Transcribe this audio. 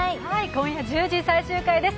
今夜１０時、最終回です。